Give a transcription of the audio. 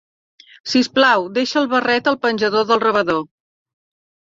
Si us plau, deixa el barret al penjador del rebedor.